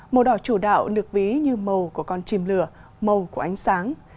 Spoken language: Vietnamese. màu đỏ chủ đạo được ví như màu của con chim lửa màu của ánh sáng